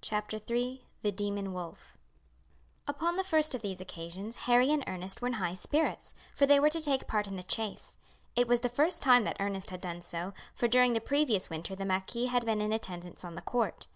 CHAPTER III The Demon Wolf Upon the first of these occasions Harry and Ernest were in high spirits, for they were to take part in the chase. It was the first time that Ernest had done so, for during the previous winter the marquis had been in attendance on the court.